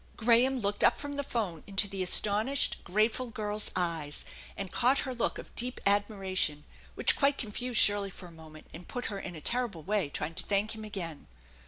Graham looked up from the phone into the astonished| grateful girl's eyes, and caught her look of deep admiration, 56 THE ENCHANTED BARN which quite confused Shirley for a moment, and put her in a terrible way trying to thank him again.